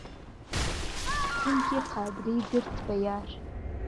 چومکی قادری گرت به یار